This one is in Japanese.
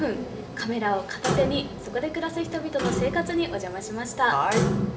カメラを片手にそこで暮らす人々の生活にお邪魔しました。